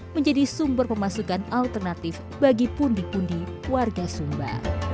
menjadi sumber pemasukan alternatif bagi pundi pundi warga sumba